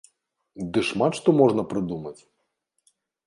Ды шмат што можна прыдумаць!